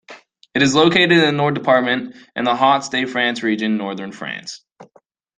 It is located in the Nord department, in the Hauts-de-France region, northern France.